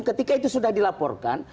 ketika itu sudah dilaporkan